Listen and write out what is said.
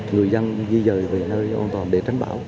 người dân di dời về nơi an toàn để tránh bão